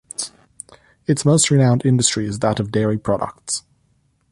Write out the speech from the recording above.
Its most renowned industry is that of dairy products.